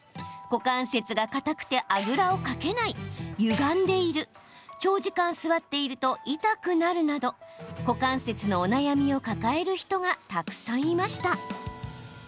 視聴者の方にアンケートを行ったところ股関節がかたくてあぐらをかけない、ゆがんでいる長時間座っていると痛くなるなど股関節のお悩みを抱える人がたくさんいました。